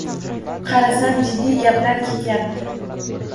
Qarasam, jiddiy gaplar ketyapti.